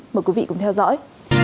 mời quý vị cùng theo dõi